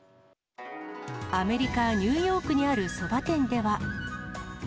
アメリカ・ニューヨークにあるそば店では。